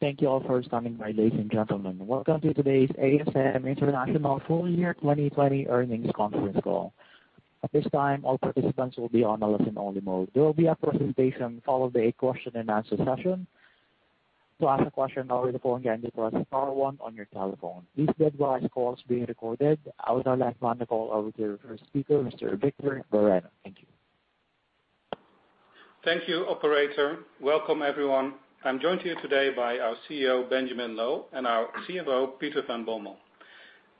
Thank you all for standing by, ladies and gentlemen. Welcome to today's ASM International full year 2020 earnings conference call. At this time, all participants will be on a listen-only mode. There will be a presentation followed by a question and answer session. I would now like to hand the call over to our speaker, Mr. Victor Bareño. Thank you. Thank you, operator. Welcome everyone. I'm joined here today by our CEO, Benjamin Loh, and our CFO, Peter van Bommel.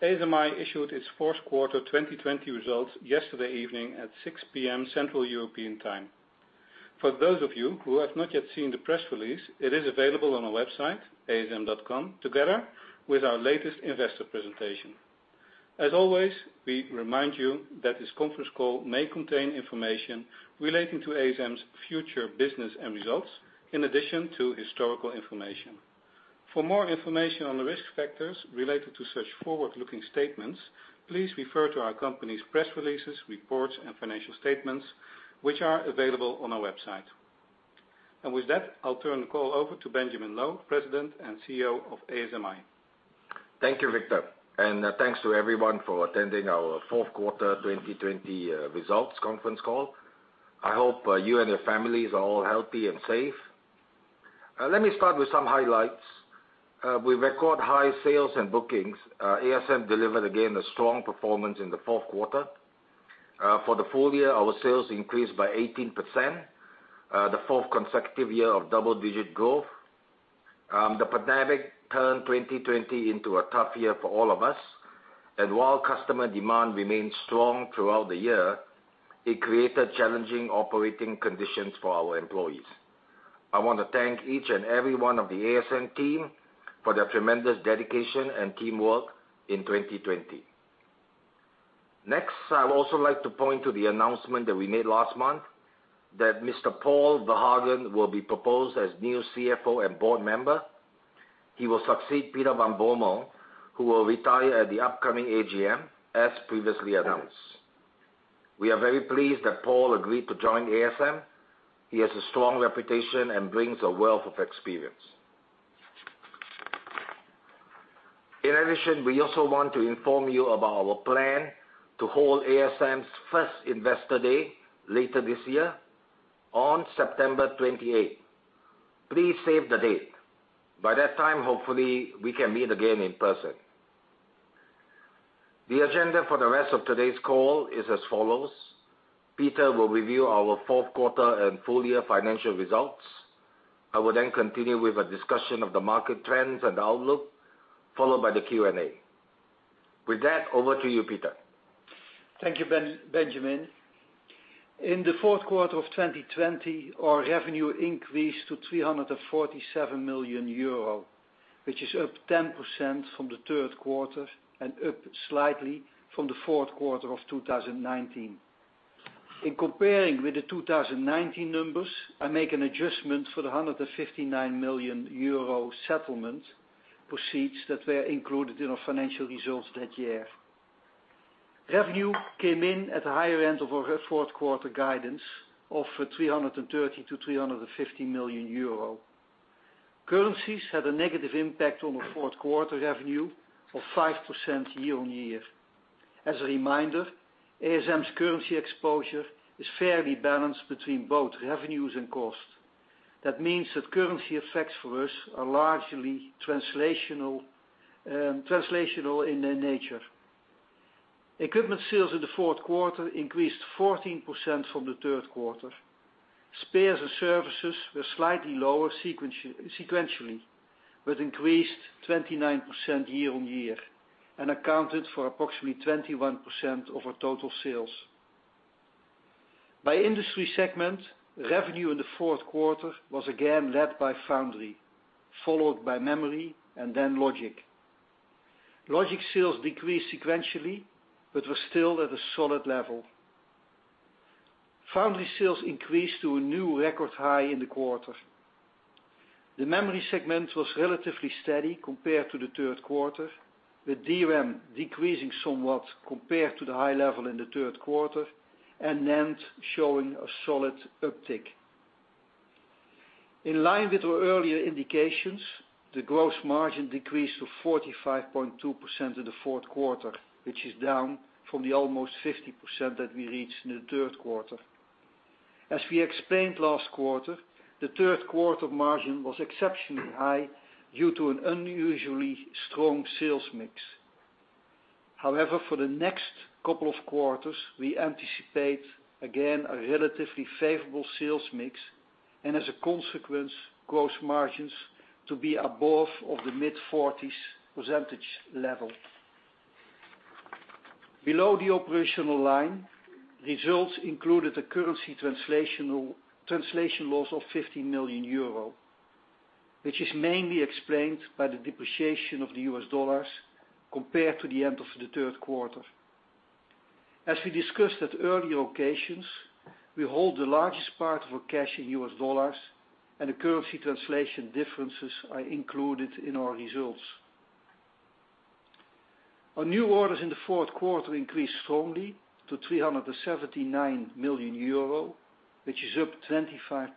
ASMI issued its fourth quarter 2020 results yesterday evening at 6:00 P.M. Central European Time. For those of you who have not yet seen the press release, it is available on our website, asm.com, together with our latest investor presentation. As always, we remind you that this conference call may contain information relating to ASMI's future business and results, in addition to historical information. For more information on the risk factors related to such forward-looking statements, please refer to our company's press releases, reports, and financial statements, which are available on our website. With that, I'll turn the call over to Benjamin Loh, President and CEO of ASMI. Thank you, Victor, and thanks to everyone for attending our fourth quarter 2020 results conference call. I hope you and your families are all healthy and safe. Let me start with some highlights. We record high sales and bookings. ASM delivered again a strong performance in the fourth quarter. For the full year, our sales increased by 18%, the fourth consecutive year of double-digit growth. The pandemic turned 2020 into a tough year for all of us, and while customer demand remained strong throughout the year, it created challenging operating conditions for our employees. I want to thank each and every one of the ASM team for their tremendous dedication and teamwork in 2020. Next, I would also like to point to the announcement that we made last month that Mr. Paul Verhagen will be proposed as new CFO and board member. He will succeed Peter van Bommel, who will retire at the upcoming AGM as previously announced. We are very pleased that Paul agreed to join ASM. He has a strong reputation and brings a wealth of experience. We also want to inform you about our plan to hold ASMI's first Investor Day later this year on September 28th. Please save the date. By that time, hopefully, we can meet again in person. The agenda for the rest of today's call is as follows. Peter will review our fourth quarter and full year financial results. I will continue with a discussion of the market trends and outlook, followed by the Q&A. With that, over to you, Peter. Thank you, Benjamin. In the fourth quarter of 2020, our revenue increased to 347 million euro, which is up 10% from the third quarter and up slightly from the fourth quarter of 2019. In comparing with the 2019 numbers, I make an adjustment for the 159 million euro settlement proceeds that were included in our financial results that year. Revenue came in at the higher end of our fourth-quarter guidance of 330 million-350 million euro. Currencies had a negative impact on our fourth-quarter revenue of 5% year-on-year. As a reminder, ASMI's currency exposure is fairly balanced between both revenues and cost. That means that currency effects for us are largely translational in their nature. Equipment sales in the fourth quarter increased 14% from the third quarter. Spares and services were slightly lower sequentially, but increased 29% year-on-year and accounted for approximately 21% of our total sales. By industry segment, revenue in the fourth quarter was again led by foundry, followed by memory, and then logic. Logic sales decreased sequentially but were still at a solid level. Foundry sales increased to a new record high in the quarter. The memory segment was relatively steady compared to the third quarter, with DRAM decreasing somewhat compared to the high level in the third quarter, and NAND showing a solid uptick. In line with our earlier indications, the gross margin decreased to 45.2% in the fourth quarter, which is down from the almost 50% that we reached in the third quarter. As we explained last quarter, the third quarter margin was exceptionally high due to an unusually strong sales mix. For the next couple of quarters, we anticipate again a relatively favorable sales mix, and as a consequence, gross margins to be above of the mid-40s percentage level. Below the operational line, results included a currency translation loss of 15 million euro, which is mainly explained by the depreciation of the U.S. dollars compared to the end of the third quarter. As we discussed at earlier occasions, we hold the largest part of our cash in U.S. dollars, and the currency translation differences are included in our results. Our new orders in the fourth quarter increased strongly to 379 million euro, which is up 25%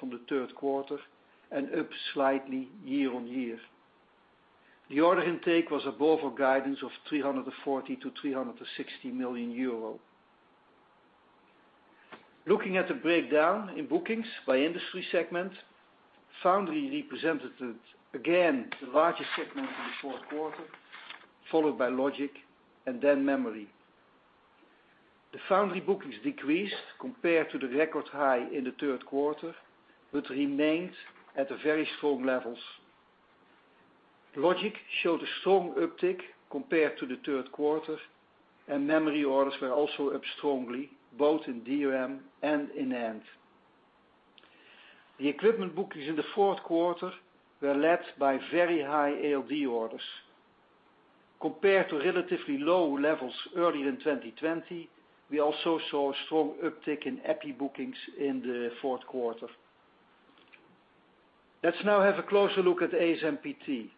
from the third quarter and up slightly year-on-year. The order intake was above our guidance of 340 million-360 million euro. Looking at the breakdown in bookings by industry segment, foundry represented again the largest segment in the fourth quarter, followed by logic and then memory. The foundry bookings decreased compared to the record high in the third quarter, but remained at the very strong levels. Logic showed a strong uptick compared to the third quarter, and memory orders were also up strongly, both in DRAM and in NAND. The equipment bookings in the fourth quarter were led by very high ALD orders. Compared to relatively low levels earlier in 2020, we also saw a strong uptick in Epi bookings in the fourth quarter. Let's now have a closer look at ASMPT.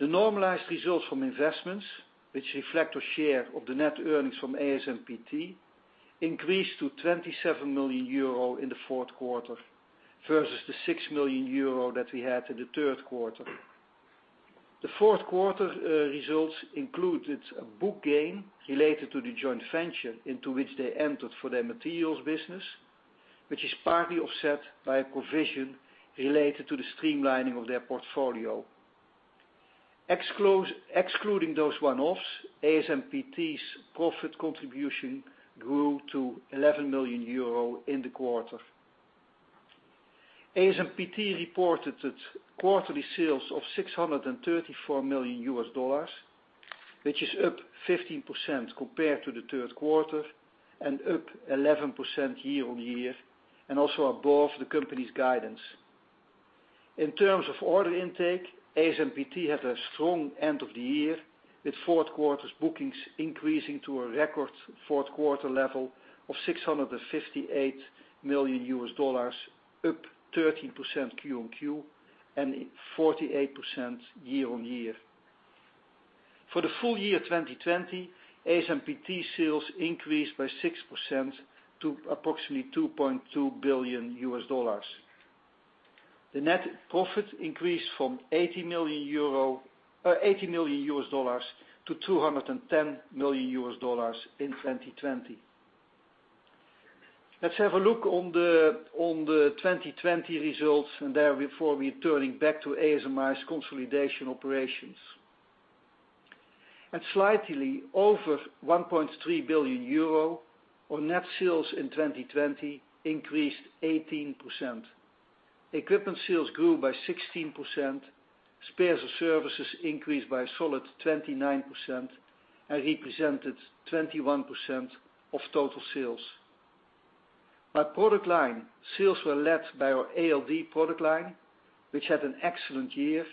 The normalized results from investments, which reflect our share of the net earnings from ASMPT, increased to 27 million euro in the fourth quarter versus the 6 million euro that we had in the third quarter. The fourth quarter results included a book gain related to the joint venture into which they entered for their materials business, which is partly offset by a provision related to the streamlining of their portfolio. Excluding those one-offs, ASMPT's profit contribution grew to 11 million euro in the quarter. ASMPT reported quarterly sales of $634 million, which is up 15% compared to the third quarter and up 11% year-over-year, and also above the company's guidance. In terms of order intake, ASMPT had a strong end of the year, with fourth quarter's bookings increasing to a record fourth-quarter level of $658 million, up 30% Q-on-Q and 48% year-on-year. For the full year 2020, ASMPT sales increased by 6% to approximately $2.2 billion. The net profit increased from $80 million to $210 million in 2020. Let's have a look on the 2020 results and therefore we are turning back to ASMI's consolidation operations. At slightly over 1.3 billion euro, our net sales in 2020 increased 18%. Equipment sales grew by 16%, spares and services increased by a solid 29% and represented 21% of total sales. By product line, sales were led by our ALD product line, which had an excellent year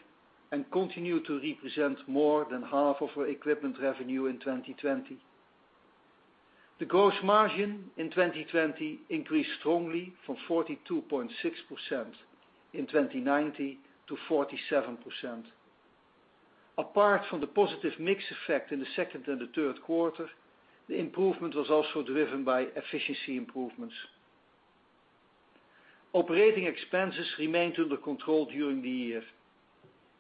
and continued to represent more than half of our equipment revenue in 2020. The gross margin in 2020 increased strongly from 42.6% in 2019 to 47%. Apart from the positive mix effect in the second and the third quarter, the improvement was also driven by efficiency improvements. Operating expenses remained under control during the year.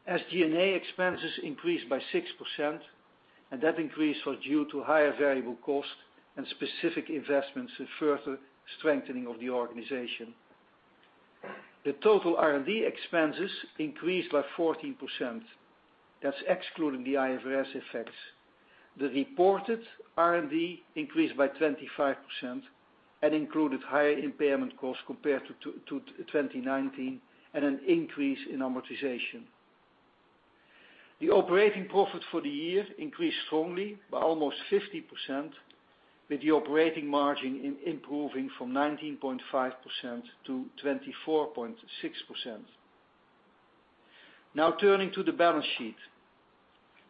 SG&A expenses increased by 6%, and that increase was due to higher variable cost and specific investments in further strengthening of the organization. The total R&D expenses increased by 14%. That is excluding the IFRS effects. The reported R&D increased by 25% and included higher impairment costs compared to 2019 and an increase in amortization. The operating profit for the year increased strongly by almost 50%, with the operating margin improving from 19.5% to 24.6%. Now turning to the balance sheet.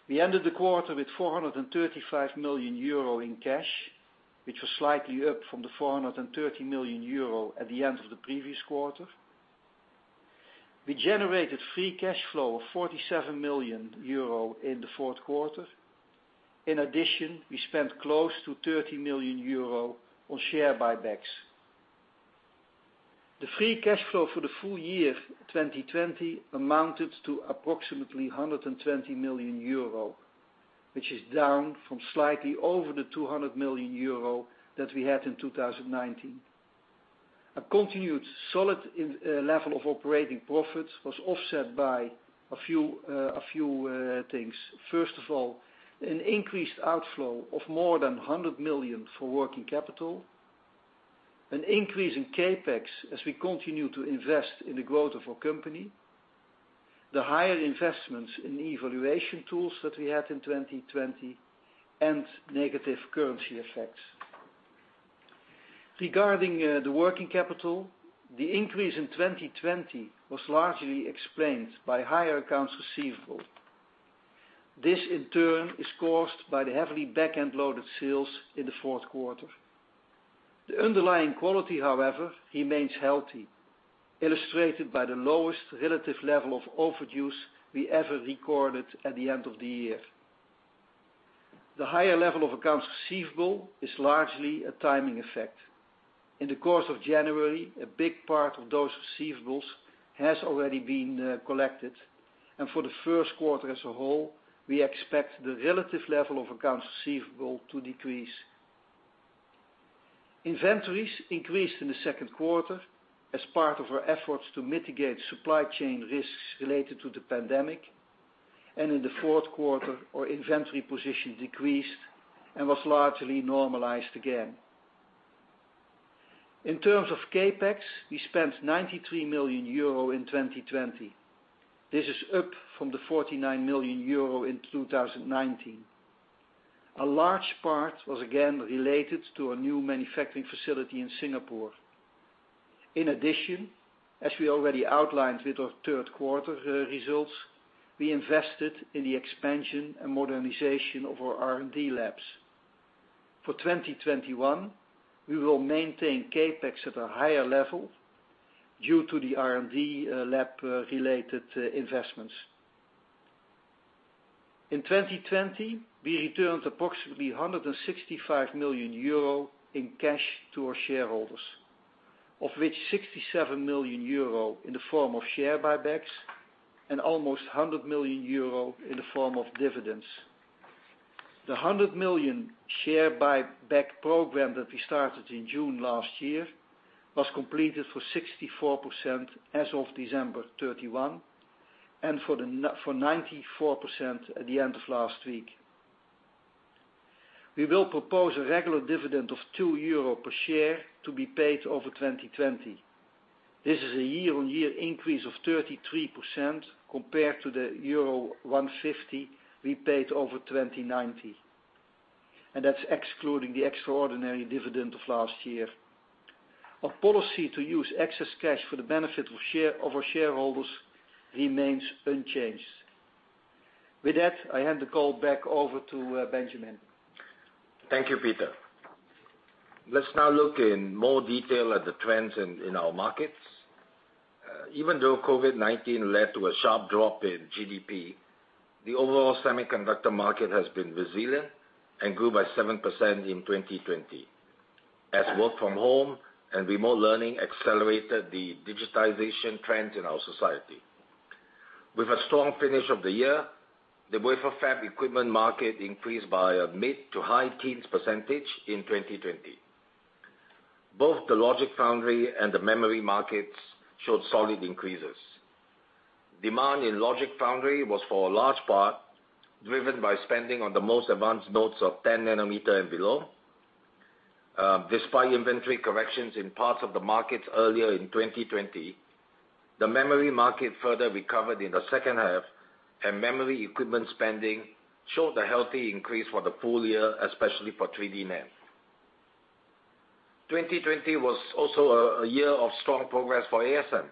We ended the quarter with 435 million euro in cash, which was slightly up from the 430 million euro at the end of the previous quarter. We generated free cash flow of 47 million euro in the fourth quarter. We spent close to 30 million euro on share buybacks. The free cash flow for the full year 2020 amounted to approximately 120 million euro, which is down from slightly over the 200 million euro that we had in 2019. A continued solid level of operating profit was offset by a few things. An increased outflow of more than 100 million for working capital, an increase in CapEx as we continue to invest in the growth of our company, the higher investments in evaluation tools that we had in 2020, and negative currency effects. Regarding the working capital, the increase in 2020 was largely explained by higher accounts receivable. This in turn is caused by the heavily back-end loaded sales in the fourth quarter. The underlying quality, however, remains healthy, illustrated by the lowest relative level of overdues we ever recorded at the end of the year. The higher level of accounts receivable is largely a timing effect. In the course of January, a big part of those receivables has already been collected, and for the first quarter as a whole, we expect the relative level of accounts receivable to decrease. Inventories increased in the second quarter as part of our efforts to mitigate supply chain risks related to the pandemic, and in the fourth quarter, our inventory position decreased and was largely normalized again. In terms of CapEx, we spent 93 million euro in 2020. This is up from the 49 million euro in 2019. A large part was again related to a new manufacturing facility in Singapore. As we already outlined with our third quarter results, we invested in the expansion and modernization of our R&D labs. For 2021, we will maintain CapEx at a higher level due to the R&D lab related investments. In 2020, we returned approximately 165 million euro in cash to our shareholders, of which 67 million euro in the form of share buybacks and almost 100 million euro in the form of dividends. The 100 million share buyback program that we started in June last year was completed for 64% as of December 31, and for 94% at the end of last week. We will propose a regular dividend of 2 euro per share to be paid over 2020. This is a year-on-year increase of 33% compared to the euro 1.50 we paid over 2019. That's excluding the extraordinary dividend of last year. Our policy to use excess cash for the benefit of our shareholders remains unchanged. With that, I hand the call back over to Benjamin. Thank you, Peter. Let's now look in more detail at the trends in our markets. Even though COVID-19 led to a sharp drop in GDP, the overall semiconductor market has been resilient and grew by 7% in 2020, as work from home and remote learning accelerated the digitization trend in our society. With a strong finish of the year, the wafer fab equipment market increased by a mid to high teens percentage in 2020. Both the logic foundry and the memory markets showed solid increases. Demand in logic foundry was, for a large part, driven by spending on the most advanced nodes of 10 nm and below. Despite inventory corrections in parts of the markets earlier in 2020, the memory market further recovered in the second half, and memory equipment spending showed a healthy increase for the full year, especially for 3D NAND. 2020 was also a year of strong progress for ASM.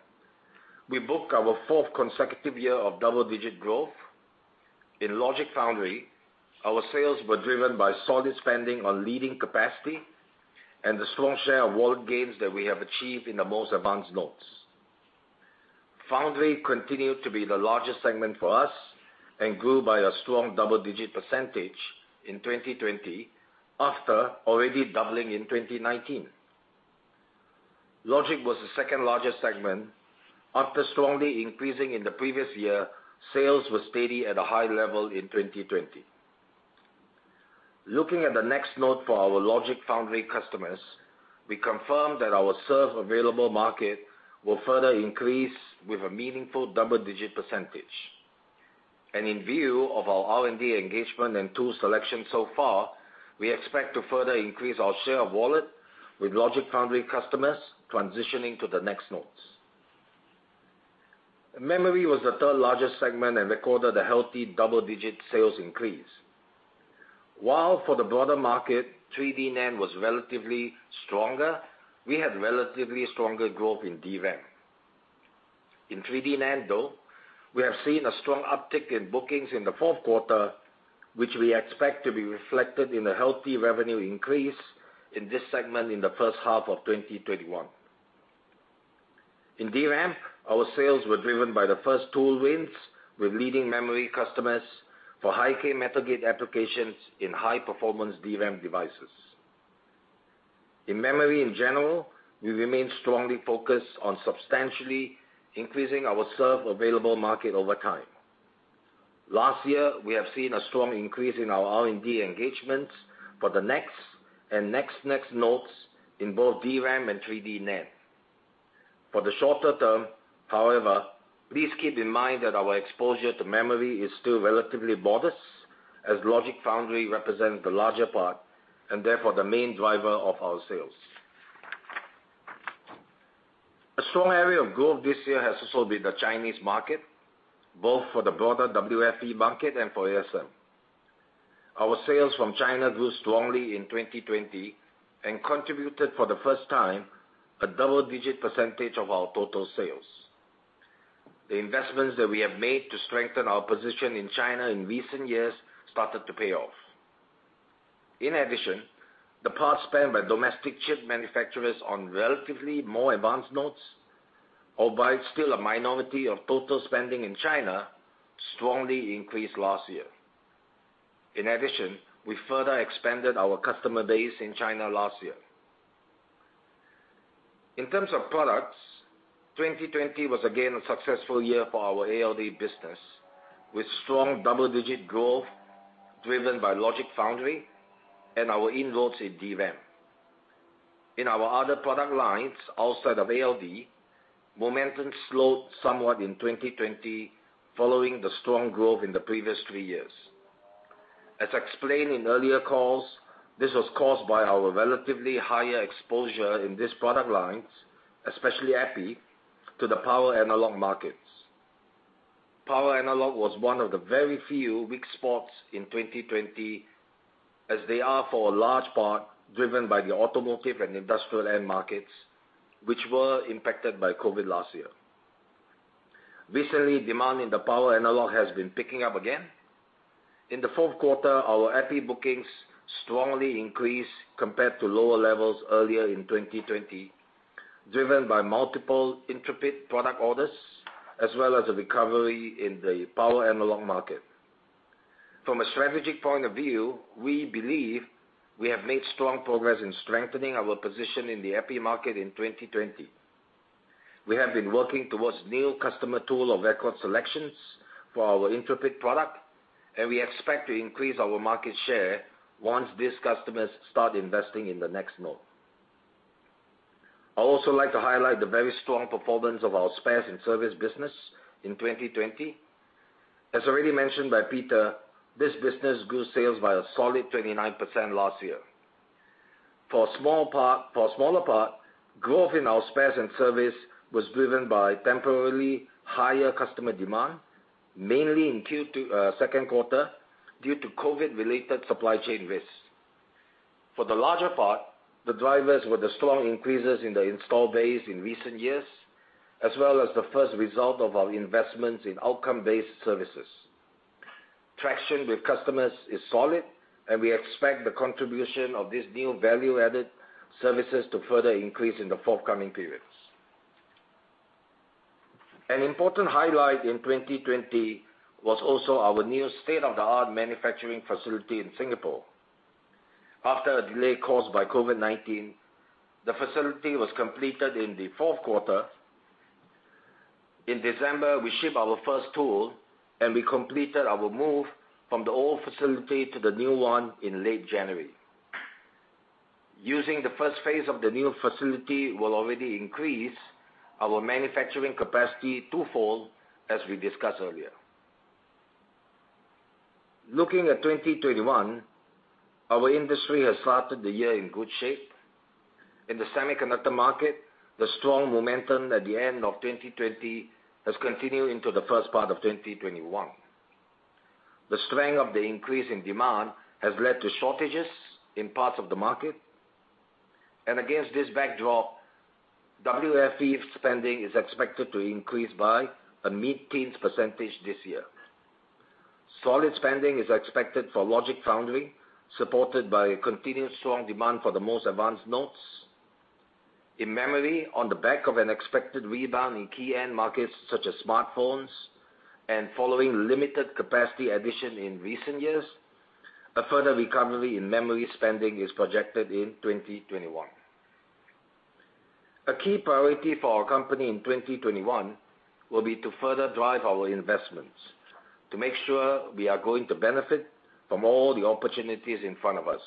We booked our fourth consecutive year of double-digit growth. In logic foundry, our sales were driven by solid spending on leading capacity and the strong share of wallet gains that we have achieved in the most advanced nodes. Foundry continued to be the largest segment for us and grew by a strong double-digit percentage in 2020 after already doubling in 2019. Logic was the second-largest segment. After strongly increasing in the previous year, sales were steady at a high level in 2020. Looking at the next node for our logic foundry customers, we confirmed that our served available market will further increase with a meaningful double-digit percentage. In view of our R&D engagement and tool selection so far, we expect to further increase our share of wallet with logic foundry customers transitioning to the next nodes. Memory was the third-largest segment and recorded a healthy double-digit sales increase. While for the broader market, 3D NAND was relatively stronger, we had relatively stronger growth in DRAM. In 3D NAND, though, we have seen a strong uptick in bookings in the fourth quarter, which we expect to be reflected in a healthy revenue increase in this segment in the first half of 2021. In DRAM, our sales were driven by the first tool wins with leading memory customers for High-K metal gate applications in high-performance DRAM devices. In memory in general, we remain strongly focused on substantially increasing our served available market over time. Last year, we have seen a strong increase in our R&D engagements for the next and next nodes in both DRAM and 3D NAND. For the shorter term, however, please keep in mind that our exposure to memory is still relatively modest, as logic foundry represents the larger part, and therefore the main driver of our sales. A strong area of growth this year has also been the Chinese market, both for the broader WFE market and for ASM. Our sales from China grew strongly in 2020 and contributed for the first time a double-digit percentage of our total sales. The investments that we have made to strengthen our position in China in recent years started to pay off. In addition, the parts spent by domestic chip manufacturers on relatively more advanced nodes, although still a minority of total spending in China, strongly increased last year. In addition, we further expanded our customer base in China last year. In terms of products, 2020 was again a successful year for our ALD business, with strong double-digit growth driven by logic foundry and our inroads in DRAM. In our other product lines outside of ALD, momentum slowed somewhat in 2020 following the strong growth in the previous three years. As explained in earlier calls, this was caused by our relatively higher exposure in this product lines, especially Epi, to the power analog markets. Power analog was one of the very few weak spots in 2020, as they are for a large part driven by the automotive and industrial end markets, which were impacted by COVID last year. Recently, demand in the power analog has been picking up again. In the fourth quarter, our Epi bookings strongly increased compared to lower levels earlier in 2020, driven by multiple Intrepid product orders as well as a recovery in the power analog market. From a strategic point of view, we believe we have made strong progress in strengthening our position in the Epi market in 2020. We have been working towards new customer tool of record selections for our Intrepid product. We expect to increase our market share once these customers start investing in the next node. I also like to highlight the very strong performance of our spares and service business in 2020. As already mentioned by Peter, this business grew sales by a solid 29% last year. For a smaller part, growth in our spares and service was driven by temporarily higher customer demand, mainly in second quarter due to COVID-related supply chain risks. For the larger part, the drivers were the strong increases in the install base in recent years, as well as the first result of our investments in outcome-based services. Traction with customers is solid, and we expect the contribution of this new value-added services to further increase in the forthcoming periods. An important highlight in 2020 was also our new state-of-the-art manufacturing facility in Singapore. After a delay caused by COVID-19, the facility was completed in the fourth quarter. In December, we ship our first tool, and we completed our move from the old facility to the new one in late January. Using the first phase of the new facility will already increase our manufacturing capacity twofold, as we discussed earlier. Looking at 2021, our industry has started the year in good shape. In the semiconductor market, the strong momentum at the end of 2020 has continued into the first part of 2021. The strength of the increase in demand has led to shortages in parts of the market, and against this backdrop, WFE spending is expected to increase by a mid-teens percentage this year. Solid spending is expected for logic foundry, supported by continued strong demand for the most advanced nodes. In memory, on the back of an expected rebound in key end markets such as smartphones, and following limited capacity addition in recent years, a further recovery in memory spending is projected in 2021. A key priority for our company in 2021 will be to further drive our investments to make sure we are going to benefit from all the opportunities in front of us.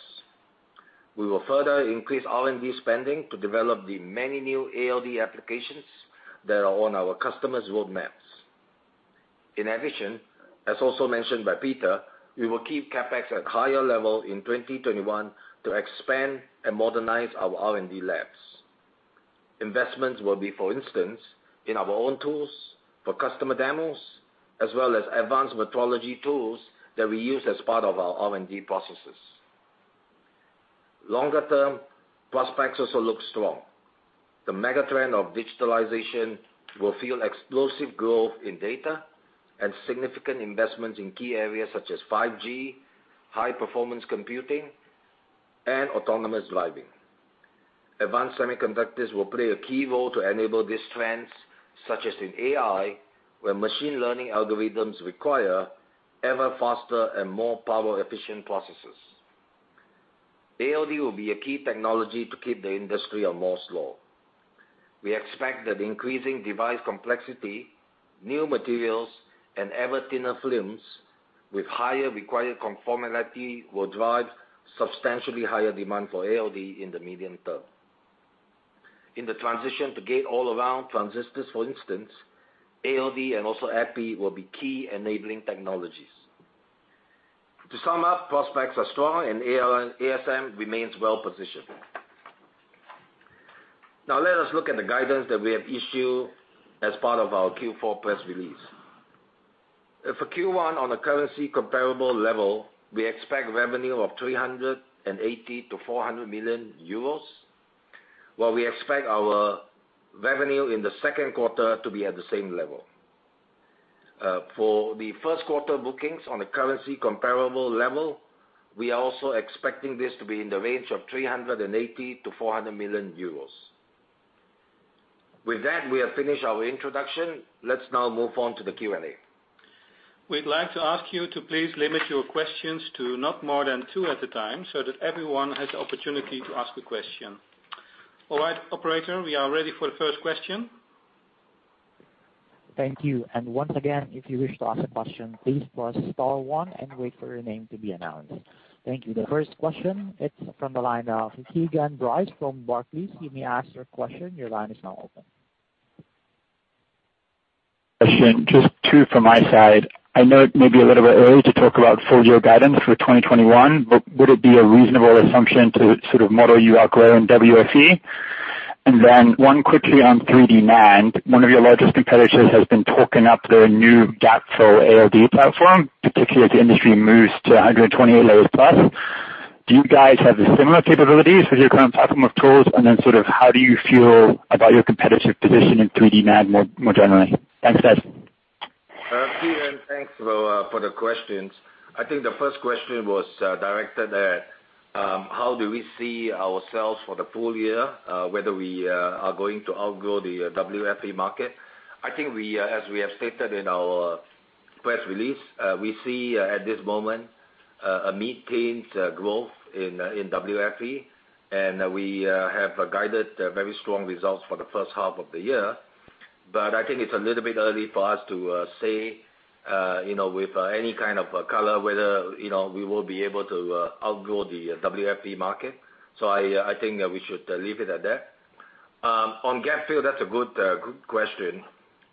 We will further increase R&D spending to develop the many new ALD applications that are on our customers' roadmaps. In addition, as also mentioned by Peter, we will keep CapEx at higher level in 2021 to expand and modernize our R&D labs. Investments will be, for instance, in our own tools for customer demos, as well as advanced metrology tools that we use as part of our R&D processes. Longer term, prospects also look strong. The mega trend of digitalization will fuel explosive growth in data and significant investments in key areas such as 5G, high performance computing, and autonomous driving. Advanced semiconductors will play a key role to enable these trends, such as in AI, where machine learning algorithms require ever faster and more power-efficient processes. ALD will be a key technology to keep the industry on Moore's law. We expect that increasing device complexity, new materials, and ever thinner films with higher required conformality will drive substantially higher demand for ALD in the medium term. In the transition to gate-all-around transistors, for instance, ALD and also EPI will be key enabling technologies. To sum up, prospects are strong and ASM remains well-positioned. Let us look at the guidance that we have issued as part of our Q4 press release. For Q1 on a currency comparable level, we expect revenue of 380 million-400 million euros, while we expect our revenue in the second quarter to be at the same level. For the first quarter bookings on a currency comparable level, we are also expecting this to be in the range of 380 million-400 million euros. With that, we have finished our introduction. Let's now move on to the Q&A. We'd like to ask you to please limit your questions to not more than two at a time, so that everyone has the opportunity to ask a question. All right, operator, we are ready for the first question. Thank you. The first question, it's from the line of Keagan Bryce-Borthwick from Barclays. You may ask your question. Your line is now open. Question. Just two from my side. I know it may be a little bit early to talk about full-year guidance for 2021, but would it be a reasonable assumption to sort of model you outgrow in WFE? One quickly on 3D NAND. One of your largest competitors has been talking up their new gap-fill ALD platform, particularly as the industry moves to 128 layers+. Do you guys have the similar capabilities with your current platform of tools? Sort of how do you feel about your competitive position in 3D NAND more generally? Thanks, guys. Keagan, thanks for the questions. I think the first question was directed at how do we see ourselves for the full year, whether we are going to outgrow the WFE market. I think as we have stated in our press release, we see at this moment, a mid-teens growth in WFE, and we have guided very strong results for the first half of the year. I think it's a little bit early for us to say with any kind of color whether we will be able to outgrow the WFE market. I think we should leave it at that. On gap-fill, that's a good question.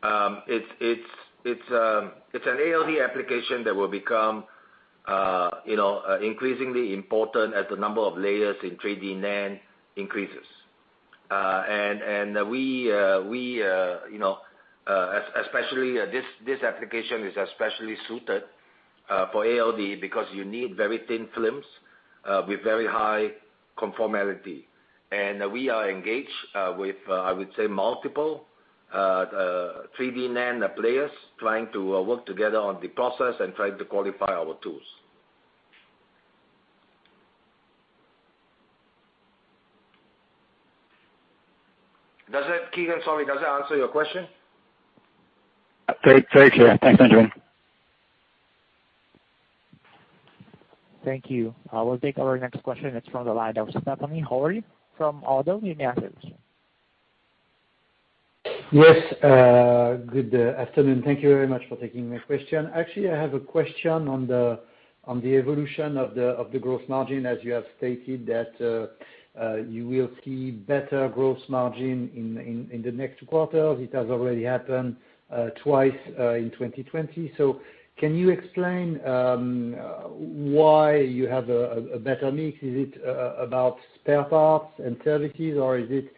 It's an ALD application that will become increasingly important as the number of layers in 3D NAND increases. This application is especially suited for ALD because you need very thin films with very high conformality. We are engaged with, I would say, multiple 3D NAND players, trying to work together on the process and trying to qualify our tools. Does that, Keagan, sorry, does that answer your question? Very clear. Thanks, [Benjamin]. Thank you. I will take our next question. It is from the line of Stéphane Houri from Oddo BHF. Yes. Good afternoon. Thank you very much for taking my question. Actually, I have a question on the evolution of the gross margin, as you have stated that you will see better gross margin in the next quarters. It has already happened twice in 2020. Can you explain why you have a better mix? Is it about spare parts and services, or is it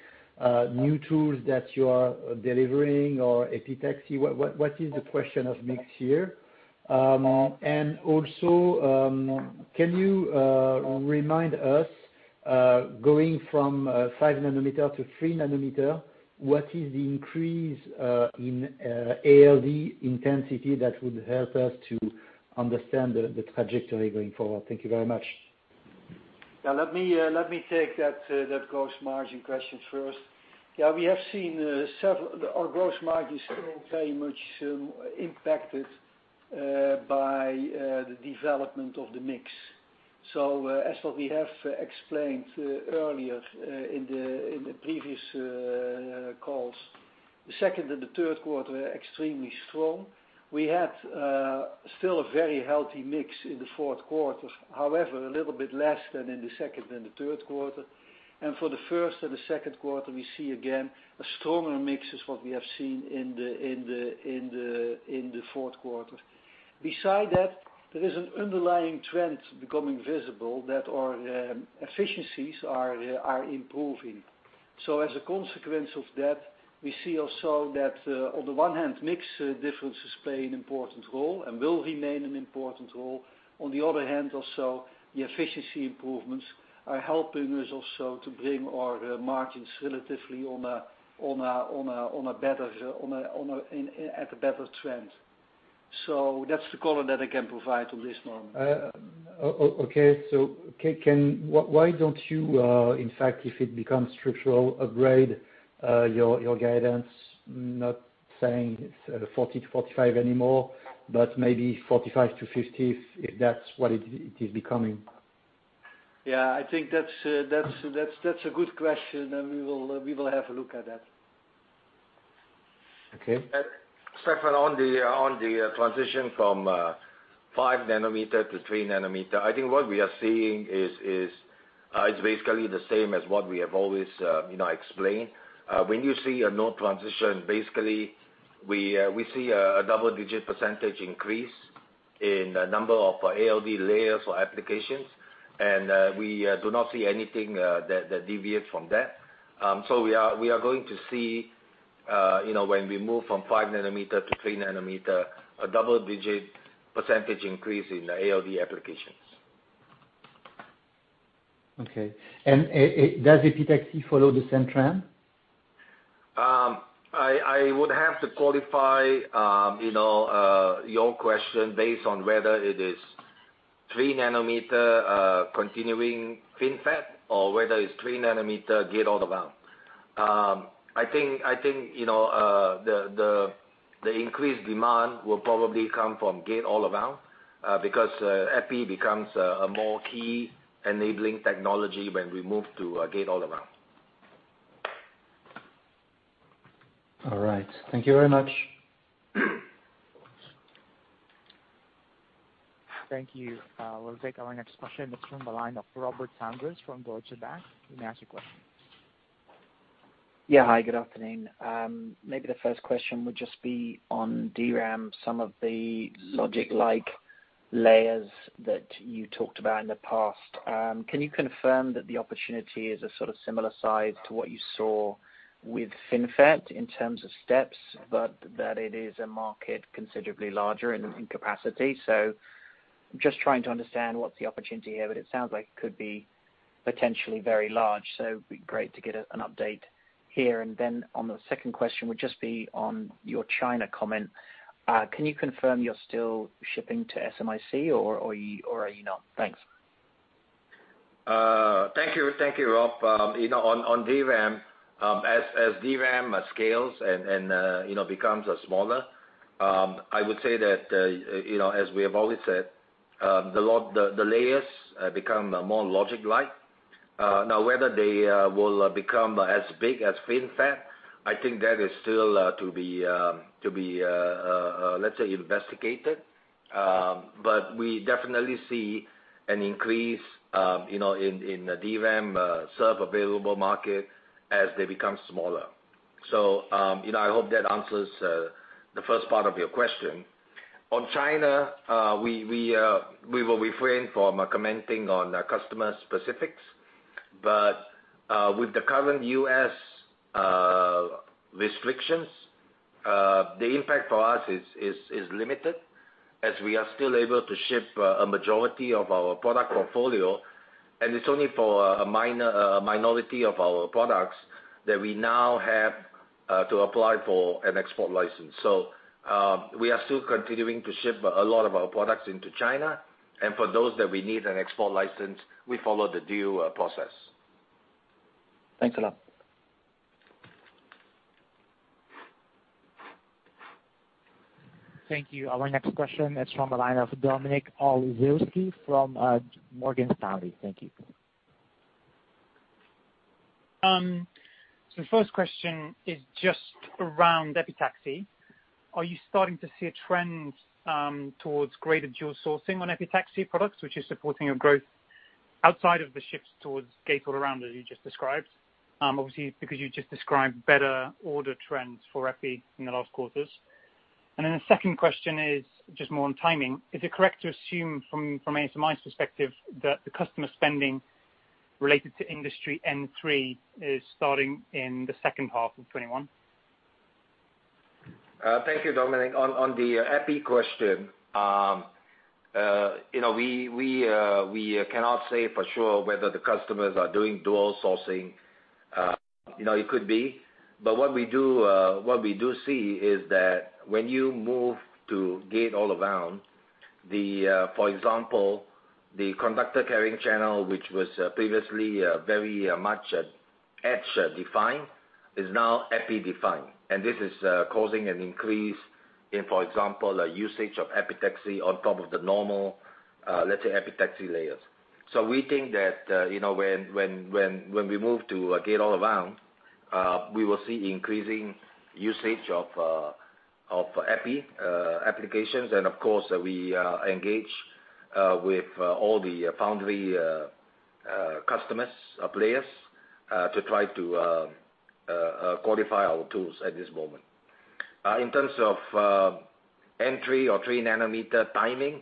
new tools that you are delivering or epitaxy? What is the question of mix here? Also, can you remind us, going from five nanometer to three nanometer, what is the increase in ALD intensity that would help us to understand the trajectory going forward? Thank you very much. Let me take that gross margin question first. Our gross margin is still very much impacted by the development of the mix. As what we have explained earlier in the previous calls, the second and the third quarter are extremely strong. We had still a very healthy mix in the fourth quarter. However, a little bit less than in the second and the third quarter. For the first and the second quarter, we see again, a stronger mix is what we have seen in the fourth quarter. Besides that, there is an underlying trend becoming visible that our efficiencies are improving. As a consequence of that, we see also that on the one hand, mix differences play an important role and will remain an important role. On the other hand, also, the efficiency improvements are helping us also to bring our margins relatively at a better trend. That's the color that I can provide on this one. Okay. Why don't you, in fact, if it becomes structural, upgrade your guidance, not saying 40-45 anymore, but maybe 45-50, if that's what it is becoming? Yeah, I think that's a good question, and we will have a look at that. Okay. Stéphane, on the transition from 5 nm to 3 nm, I think what we are seeing is basically the same as what we have always explained. When you see a node transition, basically, we see a double-digit percentage increase in the number of ALD layers or applications, and we do not see anything that deviates from that. We are going to see when we move from 5 nm to 3 nm, a double-digit percentage increase in the ALD applications. Okay. Does epitaxy follow the same trend? I would have to qualify your question based on whether it is 3-nanometer continuing FinFET or whether it's 3-nanometer Gate-All-Around. I think the increased demand will probably come from Gate-All-Around, because Epi becomes a more key enabling technology when we move to Gate-All-Around. All right. Thank you very much. Thank you. We'll take our next question. It's from the line of Robert Sanders from Deutsche Bank. You may ask your question. Hi, good afternoon. Maybe the first question would just be on DRAM, some of the logic-like layers that you talked about in the past. Can you confirm that the opportunity is a sort of similar size to what you saw with FinFET in terms of steps, but that it is a market considerably larger in capacity? Just trying to understand what's the opportunity here, but it sounds like it could be potentially very large. It'd be great to get an update here. Then on the second question would just be on your China comment. Can you confirm you're still shipping to SMIC or are you not? Thanks. Thank you, Robert Sanders. On DRAM, as DRAM scales and becomes smaller, I would say that, as we have always said, the layers become more logic-like. Now, whether they will become as big as FinFET, I think that is still to be let's say, investigated. We definitely see an increase in the DRAM served available market as they become smaller. I hope that answers the first part of your question. On China, we will refrain from commenting on customer specifics. With the current U.S. restrictions, the impact for us is limited as we are still able to ship a majority of our product portfolio. It's only for a minority of our products that we now have to apply for an export license. We are still continuing to ship a lot of our products into China. For those that we need an export license, we follow the due process. Thanks a lot. Thank you. Our next question is from the line of Dominik Olszewski from Morgan Stanley. Thank you. The first question is just around epitaxy. Are you starting to see a trend towards greater dual sourcing on epitaxy products, which is supporting your growth outside of the shifts towards Gate-All-Around, as you just described? Obviously because you just described better order trends for Epi in the last quarters. The second question is just more on timing. Is it correct to assume from ASMI's perspective that the customer spending related to industry N3 is starting in the second half of 2021? Thank you, Dominik. On the Epi question, we cannot say for sure whether the customers are doing dual sourcing. It could be. What we do see is that when you move to Gate-All-Around, for example, the compactor carrying channel, which was previously very much etch-defined, is now Epi-defined. This is causing an increase in, for example, usage of epitaxy on top of the normal, let's say, epitaxy layers. We think that when we move to Gate-All-Around, we will see increasing usage of Epi applications, and of course, we engage with all the foundry customers, players, to try to qualify our tools at this moment. In terms of N3 or 3 nm timing,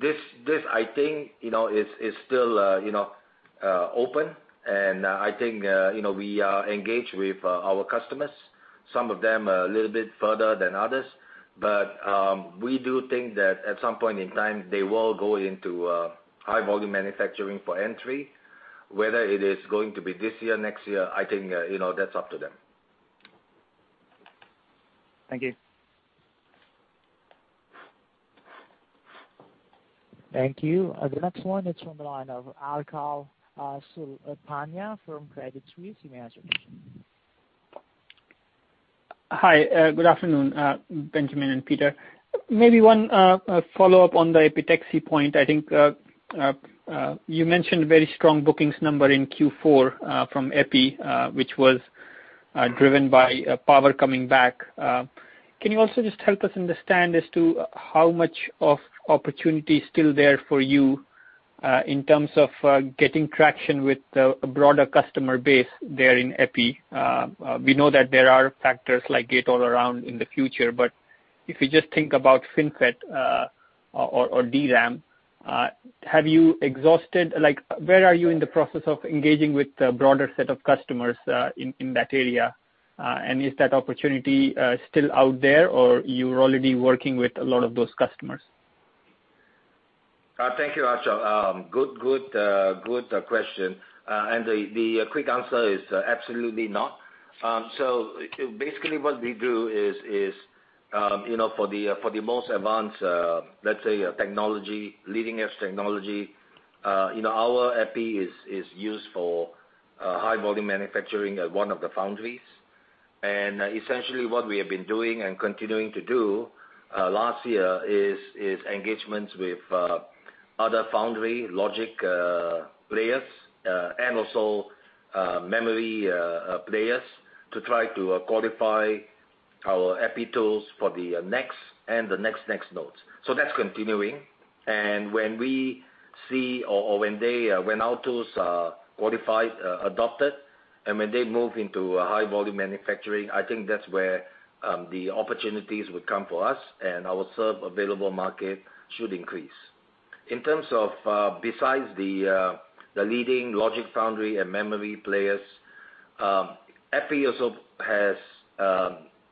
this I think is still open and I think we are engaged with our customers, some of them a little bit further than others. We do think that at some point in time, they will go into high volume manufacturing for N3. Whether it is going to be this year, next year, I think that is up to them. Thank you. Thank you. The next one is from the line of Achal Sultania from Credit Suisse. You may ask your question. Hi. Good afternoon, Benjamin and Peter. Maybe one follow-up on the epitaxy point. I think you mentioned very strong bookings number in Q4 from Epi, which was driven by power coming back. Can you also just help us understand as to how much of opportunity is still there for you in terms of getting traction with a broader customer base there in Epi. We know that there are factors like Gate-All-Around in the future, but if you just think about FinFET or DRAM, where are you in the process of engaging with a broader set of customers in that area? Is that opportunity still out there, or you're already working with a lot of those customers? Thank you, Achal. Good question. The quick answer is absolutely not. Basically what we do is for the most advanced let's say leading-edge technology, our Epi is used for high-volume manufacturing at one of the foundries. Essentially what we have been doing and continuing to do last year is engagements with other foundry logic players, and also memory players to try to qualify our Epi tools for the next and the next nodes. That's continuing. When our tools are qualified, adopted, and when they move into high-volume manufacturing, I think that's where the opportunities would come for us, and our served available market should increase. In terms of besides the leading logic foundry and memory players, Epi also has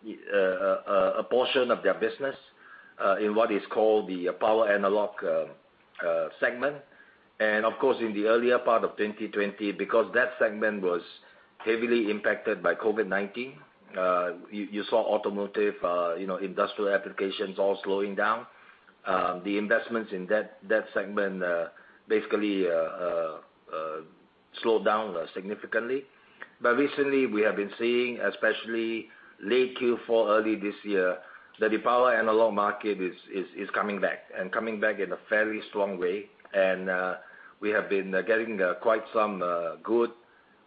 a portion of their business in what is called the power analog segment. Of course, in the earlier part of 2020, because that segment was heavily impacted by COVID-19, you saw automotive industrial applications all slowing down. The investments in that segment basically slowed down significantly. Recently we have been seeing, especially late Q4 early this year, that the power analog market is coming back, and coming back in a fairly strong way. We have been getting quite some good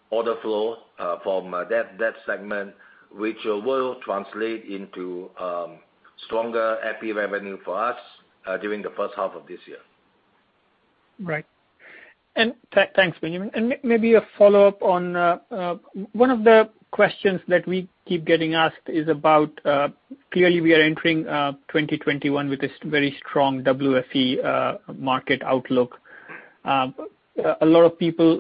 order flow from that segment, which will translate into stronger Epi revenue for us during the first half of this year. Right. Thanks, Benjamin. Maybe a follow-up on one of the questions that we keep getting asked is about, clearly we are entering 2021 with this very strong WFE market outlook. A lot of people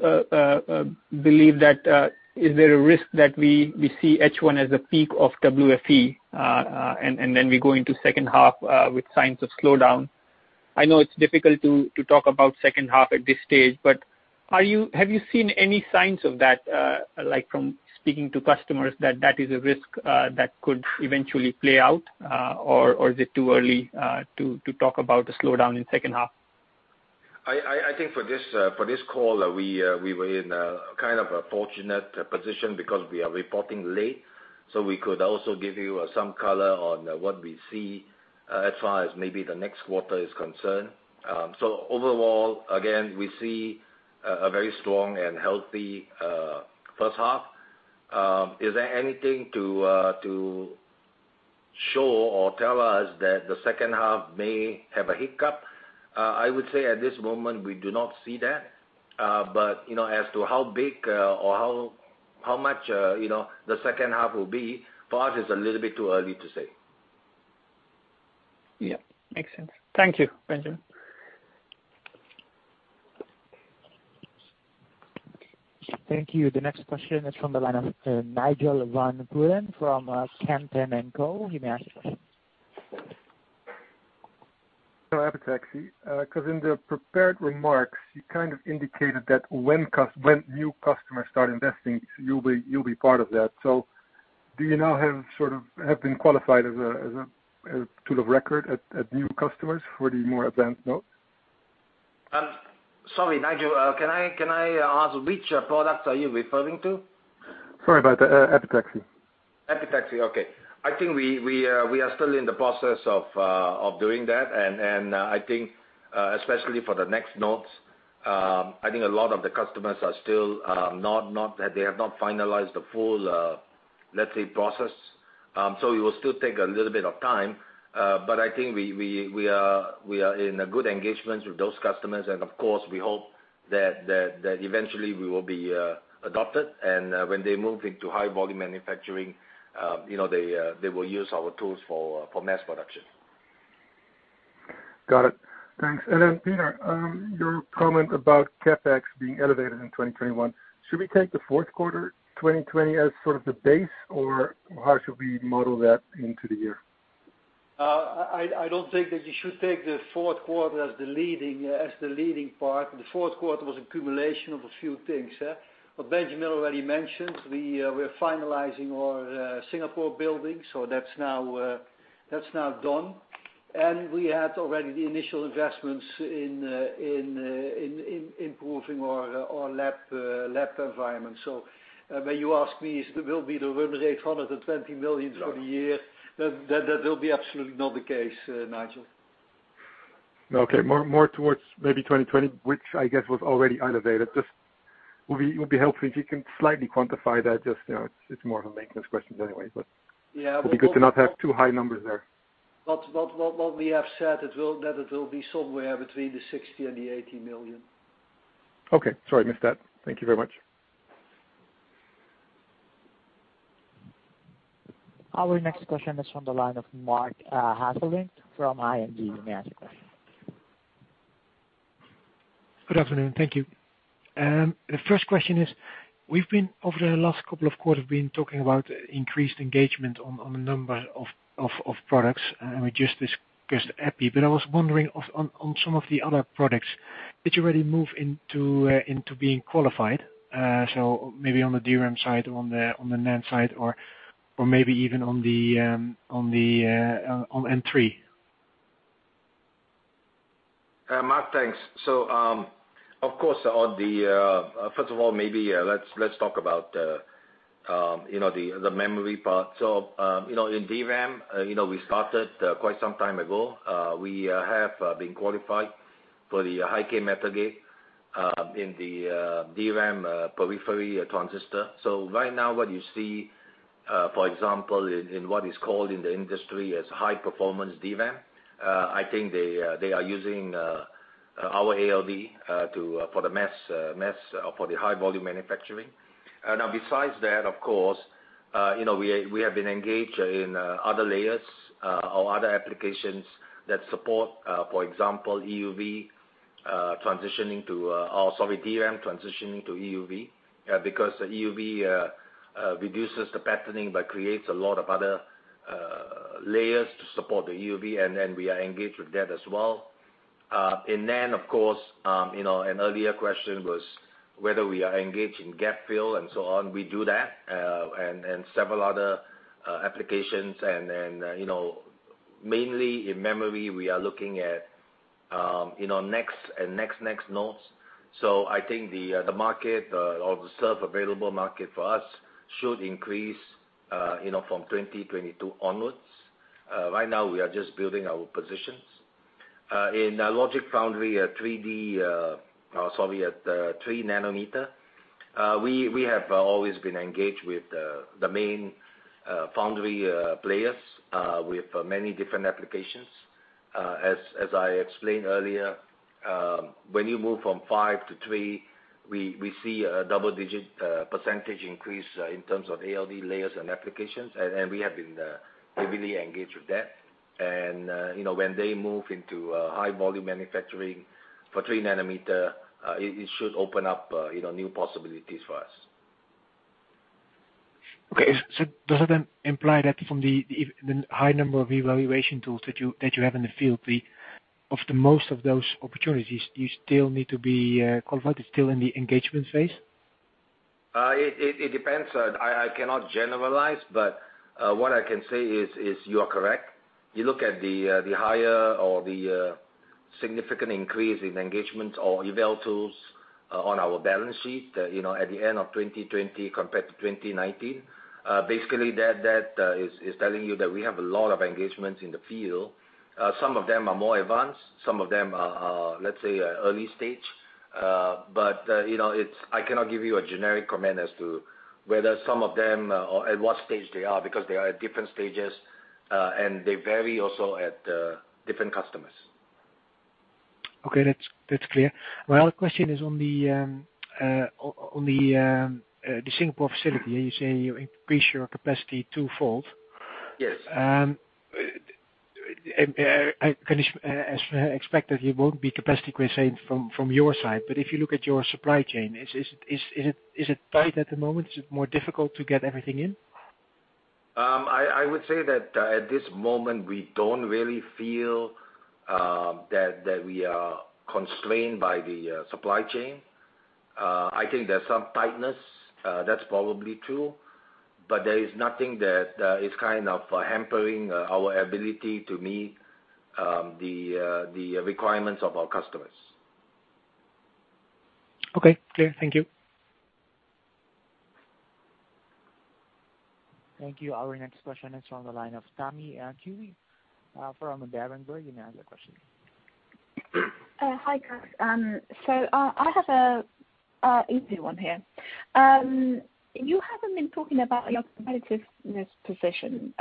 believe that, is there a risk that we see H1 as a peak of WFE, and then we go into second half with signs of slowdown? I know it's difficult to talk about second half at this stage, but have you seen any signs of that, like from speaking to customers that that is a risk that could eventually play out? Is it too early to talk about the slowdown in second half? I think for this call, we were in a kind of a fortunate position because we are reporting late, so we could also give you some color on what we see as far as maybe the next quarter is concerned. Overall, again, we see a very strong and healthy first half. Is there anything to show or tell us that the second half may have a hiccup? I would say at this moment, we do not see that. As to how big or how much the second half will be, for us, it's a little bit too early to say. Yeah. Makes sense. Thank you, Benjamin. Thank you. The next question is from the line of Nigel van Putten from Kempen & Co. You may ask your question. Epitaxy, because in the prepared remarks, you kind of indicated that when new customers start investing, you'll be part of that. Do you now have been qualified as a tool of record at new customers for the more advanced nodes? Sorry, Nigel, can I ask which products are you referring to? Sorry about that. Epitaxy. Epitaxy, okay. I think we are still in the process of doing that. I think, especially for the next nodes, I think a lot of the customers they have not finalized the full, let's say, process. It will still take a little bit of time. I think we are in a good engagement with those customers. Of course, we hope that eventually we will be adopted and when they move into high-volume manufacturing they will use our tools for mass production. Got it. Thanks. Peter, your comment about CapEx being elevated in 2021. Should we take the fourth quarter 2020 as sort of the base, or how should we model that into the year? I don't think that you should take the fourth quarter as the leading part. The fourth quarter was accumulation of a few things. Benjamin already mentioned, we're finalizing our Singapore building, so that's now done. We had already the initial investments in improving our lab environment. When you ask me, will the run rate 120 million for the year? That will be absolutely not the case, Nigel. Okay. More towards maybe 2020, which I guess was already elevated. It would be helpful if you can slightly quantify that. It's more of a maintenance question anyway. Yeah It'd be good to not have too high numbers there. What we have said, that it will be somewhere between the 60 million and the 80 million. Okay. Sorry, I missed that. Thank you very much. Our next question is from the line of Marc Hesselink from ING. You may ask your question. Good afternoon. Thank you. The first question is, we've been, over the last couple of quarters, been talking about increased engagement on a number of products, and we just discussed Epi. I was wondering on some of the other products, did you already move into being qualified? Maybe on the DRAM side, on the NAND side, or maybe even on N3. Marc, thanks. First of all, maybe let's talk about the memory part. In DRAM, we started quite some time ago. We have been qualified for the High-K metal gate in the DRAM periphery transistor. Right now what you see, for example, in what is called in the industry as high-performance DRAM, I think they are using our ALD for the high volume manufacturing. Besides that, of course, we have been engaged in other layers or other applications that support, for example, EUV transitioning to, sorry, DRAM transitioning to EUV, because EUV reduces the patterning but creates a lot of other layers to support the EUV, we are engaged with that as well. In NAND, of course, an earlier question was whether we are engaged in gap-fill and so on. We do that, several other applications. Mainly in memory, we are looking at next and next nodes. I think the served available market for us should increase from 2022 onwards. Right now we are just building our positions. In logic foundry at three nanometer, we have always been engaged with the main foundry players with many different applications. As I explained earlier, when you move from five to three, we see a double-digit percentage increase in terms of ALD layers and applications, and we have been heavily engaged with that. When they move into high volume manufacturing for three nanometer, it should open up new possibilities for us. Okay. Does that then imply that from the high number of evaluation tools that you have in the field, of the most of those opportunities, do you still need to be converted, still in the engagement phase? It depends. I cannot generalize, but what I can say is, you are correct. You look at the higher or the significant increase in engagement or eval tools on our balance sheet at the end of 2020 compared to 2019. That is telling you that we have a lot of engagements in the field. Some of them are more advanced, some of them are, let's say, early stage. I cannot give you a generic comment as to whether some of them, or at what stage they are, because they are at different stages, and they vary also at different customers. Okay. That is clear. My other question is on the Singapore facility, you are saying you increase your capacity two fold. Yes. As expected, it won't be capacity constrained from your side. If you look at your supply chain, is it tight at the moment? Is it more difficult to get everything in? I would say that at this moment, we don't really feel that we are constrained by the supply chain. I think there's some tightness, that's probably true, but there is nothing that is kind of hampering our ability to meet the requirements of our customers. Okay. Clear. Thank you. Thank you. Our next question is from the line of Tammy Qiu from Berenberg. You may ask your question. Hi, guys. I have an easy one here. You haven't been talking about your competitiveness position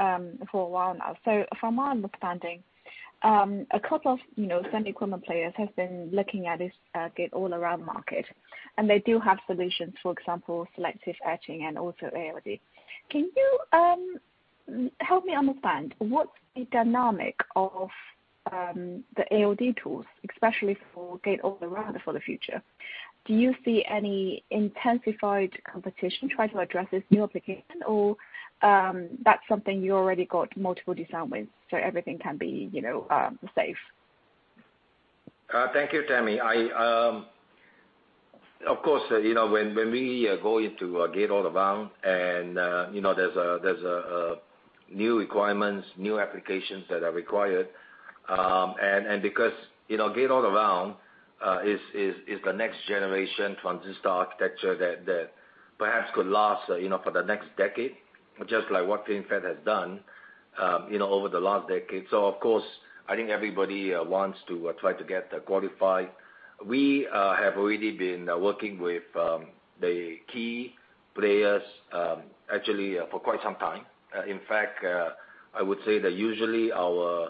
for a while now. From my understanding, a couple of semi equipment players have been looking at this Gate-All-Around market, and they do have solutions, for example, selective etching and also ALD. Can you help me understand what's the dynamic of the ALD tools, especially for Gate-All-Around for the future? Do you see any intensified competition try to address this new application or that's something you already got multiple design wins, so everything can be safe? Thank you, Tammy. Of course, when we go into Gate-All-Around and there's new requirements, new applications that are required, and because Gate-All-Around is the next generation transistor architecture that perhaps could last for the next decade, just like what FinFET has done over the last decade. Of course, I think everybody wants to try to get qualified. We have already been working with the key players, actually for quite some time. In fact, I would say that usually our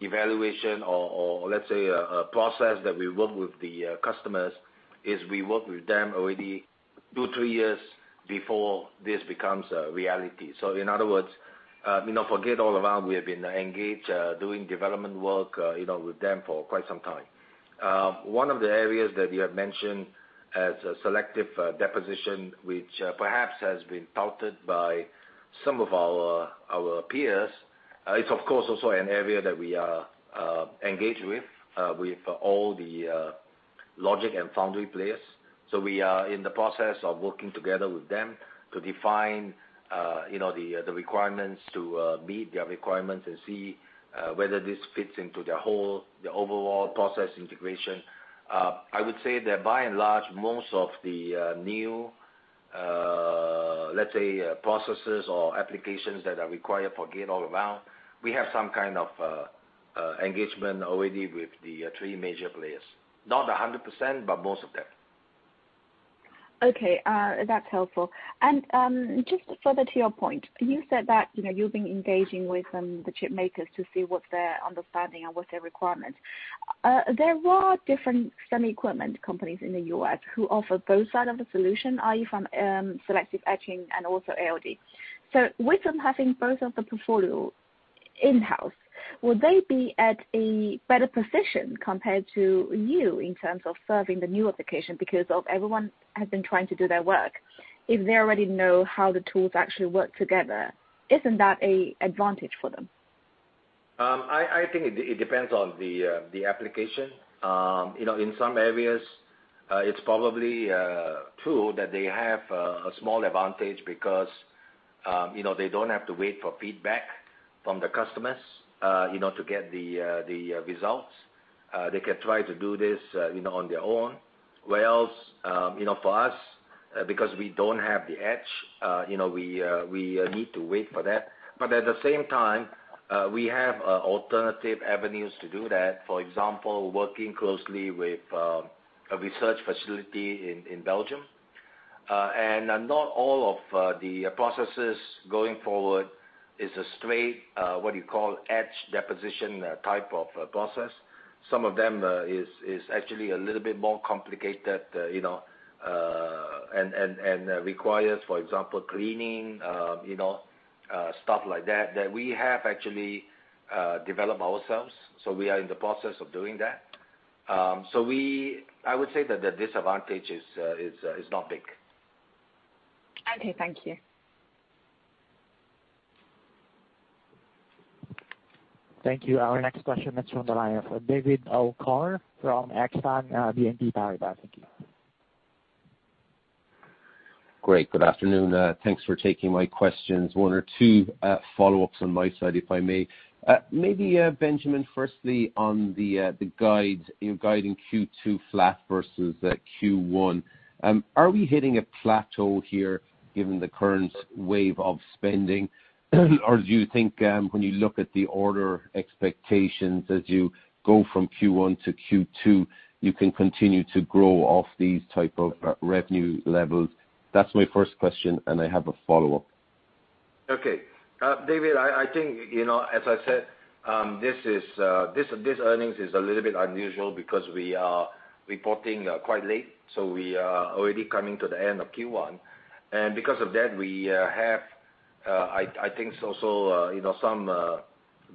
evaluation or let's say, process that we work with the customers is we work with them already two, three years before this becomes a reality. In other words, for Gate-All-Around, we have been engaged, doing development work with them for quite some time. One of the areas that you have mentioned as selective deposition, which perhaps has been touted by some of our peers, is, of course, also an area that we are engaged with all the logic and foundry players. We are in the process of working together with them to define the requirements to meet their requirements and see whether this fits into their whole, their overall process integration. I would say that by and large, most of the new, let's say, processes or applications that are required for Gate-All-Around, we have some kind of engagement already with the three major players. Not 100%, but most of them. Okay, that's helpful. Just further to your point, you said that you've been engaging with the chip makers to see what's their understanding and what's their requirement. There are different semi equipment companies in the U.S. who offer both sides of the solution, i.e. from selective etching and also ALD. With them having both of the portfolio in-house, would they be at a better position compared to you in terms of serving the new application because of everyone has been trying to do their work? If they already know how the tools actually work together, isn't that a advantage for them? I think it depends on the application. In some areas, it's probably true that they have a small advantage because they don't have to wait for feedback from the customers to get the results. They can try to do this on their own, whereas, for us, because we don't have the etch, we need to wait for that. At the same time, we have alternative avenues to do that. For example, working closely with a research facility in Belgium. Not all of the processes going forward is a straight, what do you call, etch deposition type of process. Some of them is actually a little bit more complicated and requires, for example, cleaning, stuff like that we have actually developed ourselves. We are in the process of doing that. I would say that the disadvantage is not big. Okay. Thank you. Thank you. Our next question is from the line of David O'Brien from Exane BNP Paribas. Thank you. Great. Good afternoon. Thanks for taking my questions. One or two follow-ups on my side, if I may. Maybe, Benjamin, firstly on the guide, you're guiding Q2 flat versus Q1. Are we hitting a plateau here given the current wave of spending? Do you think, when you look at the order expectations as you go from Q1 to Q2, you can continue to grow off these type of revenue levels? That's my first question, and I have a follow-up. David, I think, as I said, this earnings is a little bit unusual because we are reporting quite late. We are already coming to the end of Q1. Because of that, we have, I think, also some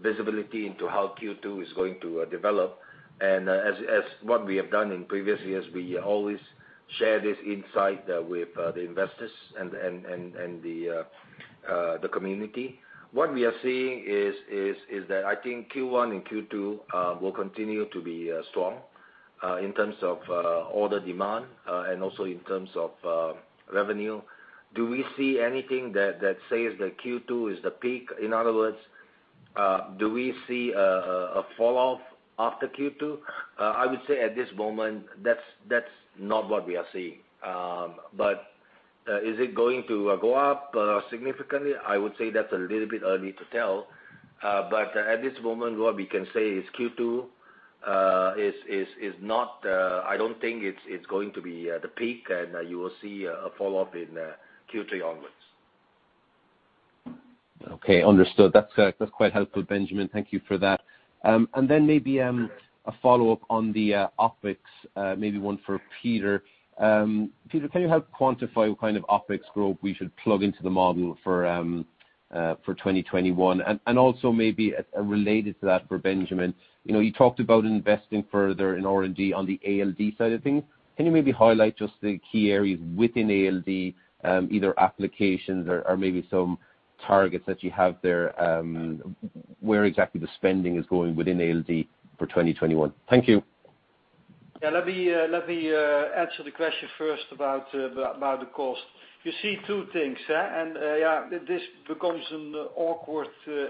visibility into how Q2 is going to develop. As what we have done in previous years, we always share this insight with the investors and the community. What we are seeing is that I think Q1 and Q2 will continue to be strong, in terms of order demand, and also in terms of revenue. Do we see anything that says that Q2 is the peak? In other words, do we see a fall-off after Q2? I would say at this moment, that's not what we are seeing. Is it going to go up significantly? I would say that's a little bit early to tell. At this moment, what we can say is Q2, I don't think it's going to be the peak, and you will see a fall-off in Q3 onwards. Okay. Understood. That is quite helpful, Benjamin. Thank you for that. Maybe, a follow-up on the OpEx, maybe one for Peter. Peter, can you help quantify what kind of OpEx growth we should plug into the model for 2021? Also maybe related to that for Benjamin, you talked about investing further in R&D on the ALD side of things. Can you maybe highlight just the key areas within ALD, either applications or maybe some targets that you have there, where exactly the spending is going within ALD for 2021? Thank you. Let me answer the question first about the cost. You see two things, and this becomes an awkward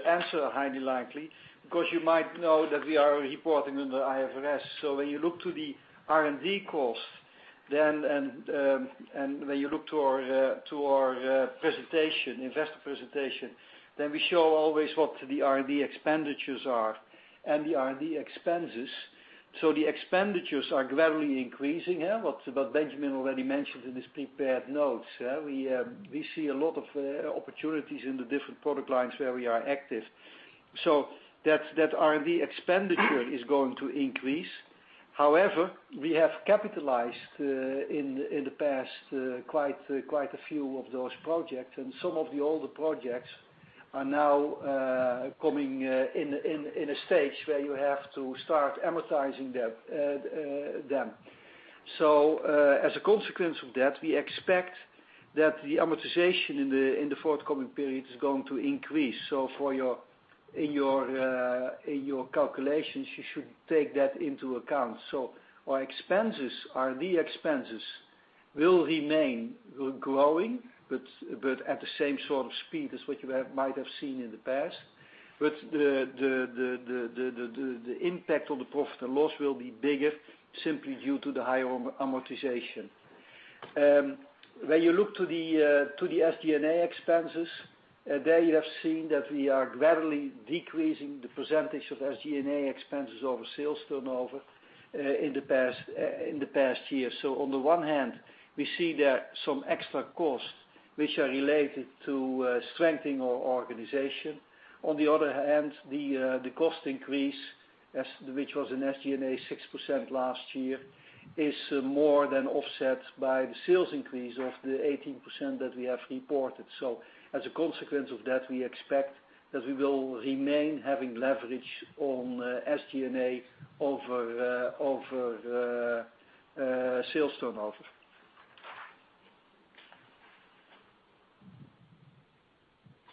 answer, highly likely, because you might know that we are reporting under IFRS. When you look to the R&D cost Then, and when you look to our investor presentation, then we show always what the R&D expenditures are and the R&D expenses. The expenditures are gradually increasing here, but Benjamin already mentioned in his prepared notes. We see a lot of opportunities in the different product lines where we are active. That R&D expenditure is going to increase. However, we have capitalized, in the past, quite a few of those projects, and some of the older projects are now coming in a stage where you have to start amortizing them. As a consequence of that, we expect that the amortization in the forthcoming period is going to increase. In your calculations, you should take that into account. Our R&D expenses will remain growing, but at the same sort of speed as what you might have seen in the past. The impact on the profit and loss will be bigger simply due to the higher amortization. When you look to the SG&A expenses, there you have seen that we are gradually decreasing the percentage of SG&A expenses over sales turnover in the past year. On the one hand, we see there some extra costs which are related to strengthening our organization. On the other hand, the cost increase, which was in SG&A 6% last year, is more than offset by the sales increase of the 18% that we have reported. As a consequence of that, we expect that we will remain having leverage on SG&A over sales turnover.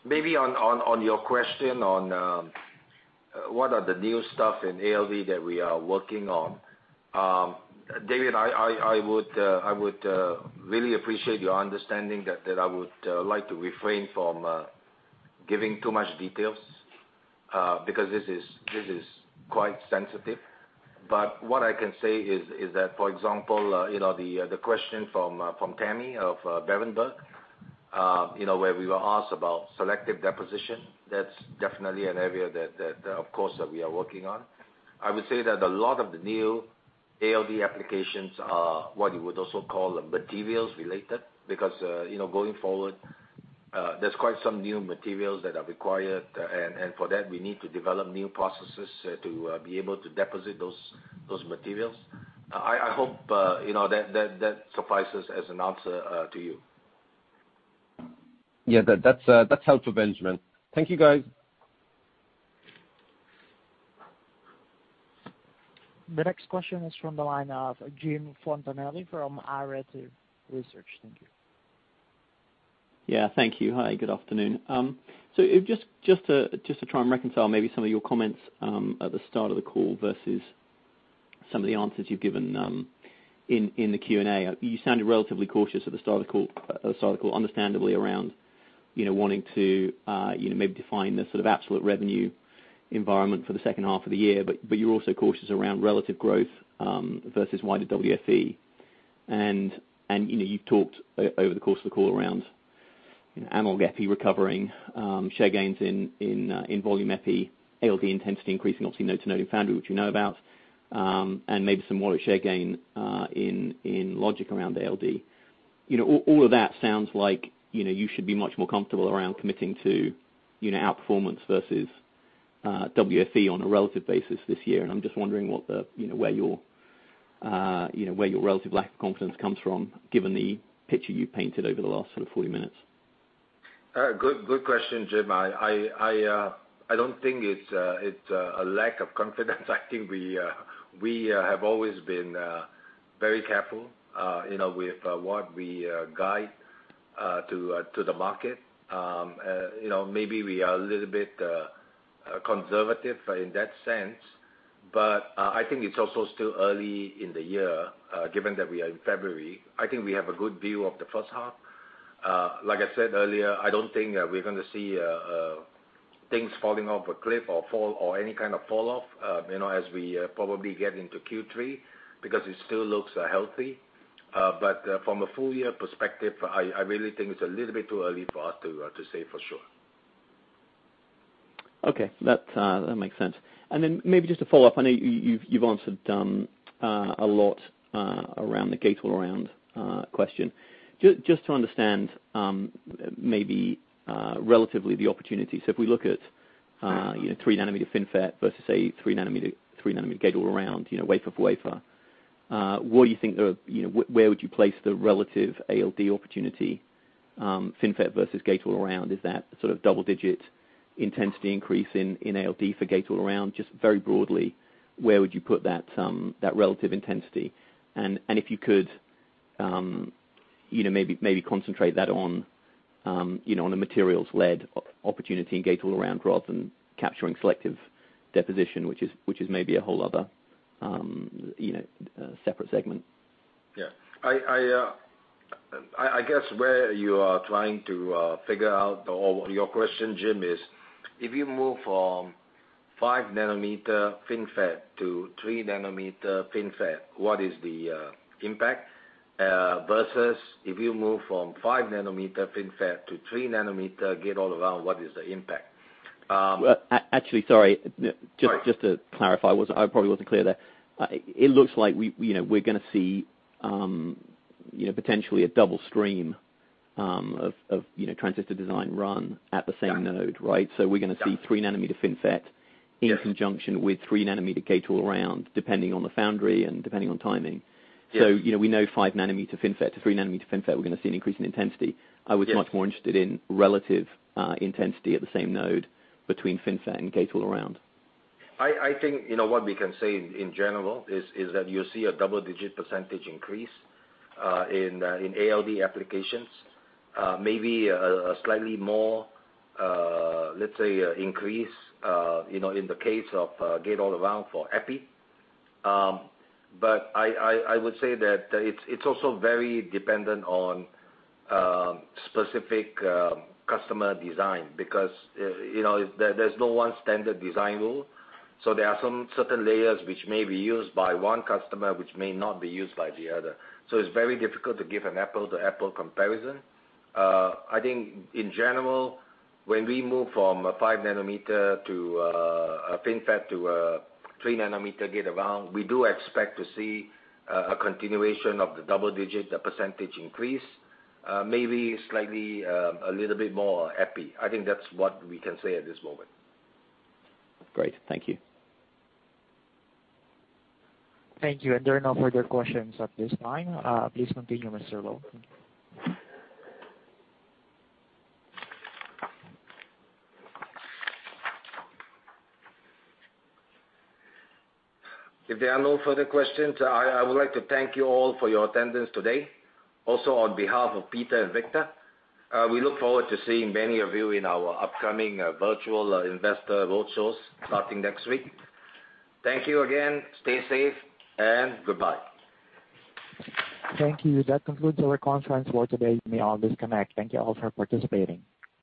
Maybe on your question on what are the new stuff in ALD that we are working on. David, I would really appreciate your understanding that I would like to refrain from giving too much details, because this is quite sensitive. What I can say is that, for example, the question from Tammy of Berenberg, where we were asked about selective deposition, that's definitely an area that, of course, that we are working on. I would say that a lot of the new ALD applications are what you would also call materials-related, because going forward, there's quite some new materials that are required. For that, we need to develop new processes to be able to deposit those materials. I hope that suffices as an answer to you. Yeah. That's helpful, Benjamin. Thank you, guys. The next question is from the line of Jim Fontanelli from Arete Research. Thank you. Yeah. Thank you. Hi, good afternoon. Just to try and reconcile maybe some of your comments at the start of the call versus some of the answers you've given in the Q&A. You sounded relatively cautious at the start of the call, understandably, around wanting to maybe define the sort of absolute revenue environment for the second half of the year. You're also cautious around relative growth versus [wider] WFE. You've talked over the course of the call around analog Epi recovering, share gains in volume Epi, ALD intensity increasing, obviously node-to-node in foundry, which we know about, and maybe some wallet share gain in logic around ALD. All of that sounds like you should be much more comfortable around committing to outperformance versus WFE on a relative basis this year. I'm just wondering where your relative lack of confidence comes from given the picture you painted over the last sort of 40 minutes? Good question, Jim. I don't think it's a lack of confidence. I think we have always been very careful with what we guide to the market. Maybe we are a little bit conservative in that sense. I think it's also still early in the year, given that we are in February. I think we have a good view of the first half. Like I said earlier, I don't think we're going to see things falling off a cliff or any kind of fall off as we probably get into Q3, because it still looks healthy. From a full-year perspective, I really think it's a little bit too early for us to say for sure. Okay. That makes sense. Then maybe just to follow up, I know you've answered a lot around the Gate-All-Around question. Just to understand maybe relatively the opportunity. If we look at 3-nanometer FinFET versus a 3-nanomater Gate-All-Around, wafer for wafer, where would you place the relative ALD opportunity, FinFET versus Gate-All-Around? Is that sort of double-digit intensity increase in ALD for Gate-All-Around? Just very broadly, where would you put that relative intensity? If you could maybe concentrate that on a materials-led opportunity in Gate-All-Around rather than capturing selective deposition, which is maybe a whole other separate segment. I guess where you are trying to figure out, or your question, Jim, is if you move from 5-nanometer FinFET to 3-nanometer FinFET, what is the impact? Versus if you move from 5-nanometer FinFET to 3-nanometer Gate-All-Around, what is the impact? Actually, sorry Just to clarify, I probably wasn't clear there. It looks like we're going to see potentially a double stream of transistor design run at the same node, right? We're going to see 3-nanometer FinFET in conjunction with 3-nanometer Gate-All-Around, depending on the foundry and depending on timing. Yes. We know 5-nanometer FinFET to 3-nanometer FinFET, we're going to see an increase in intensity. Yes. I was much more interested in relative intensity at the same node between FinFET and Gate-All-Around. I think what we can say in general is that you see a double-digit percentage increase in ALD applications. Maybe a slightly more, let's say, increase in the case of Gate-All-Around for Epi. I would say that it's also very dependent on specific customer design because there's no one standard design rule. There are some certain layers which may be used by one customer, which may not be used by the other. It's very difficult to give an apple-to-apple comparison. I think in general, when we move from a 5-nanometer FinFET to a 3-nanometer Gate-All-Around, we do expect to see a continuation of the double-digit, the percentage increase, maybe slightly a little bit more Epi. I think that's what we can say at this moment. Great. Thank you. Thank you. There are no further questions at this time. Please continue, Mr. Loh. If there are no further questions, I would like to thank you all for your attendance today. On behalf of Peter and Victor, we look forward to seeing many of you in our upcoming virtual investor road shows starting next week. Thank you again. Stay safe and goodbye. Thank you. That concludes our conference for today. You may all disconnect. Thank you all for participating.